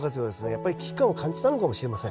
やっぱり危機感を感じたのかもしれません。